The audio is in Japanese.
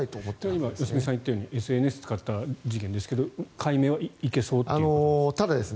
今、良純さんが言ったようにＳＮＳを使った事件ですが解明はいけそうということですか。